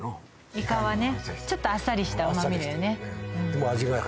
イカはねちょっとあっさりした旨味だよね